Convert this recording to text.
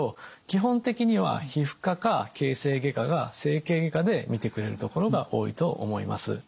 基本的には皮膚科か形成外科か整形外科で診てくれる所が多いと思います。